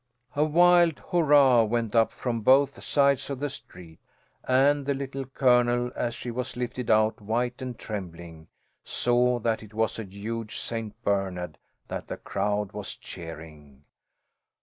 A wild hurrah went up from both sides of the street, and the Little Colonel, as she was lifted out white and trembling, saw that it was a huge St. Bernard that the crowd was cheering.